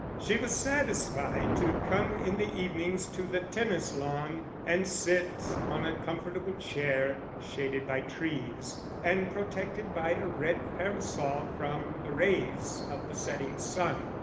She was satisfied to come in the evenings to the tennis lawn and sit on a comfortable chair shaded by trees, and protected by a red parasol from the rays of the setting sun.